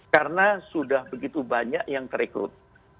karena sudah begitu banyak yang terikrut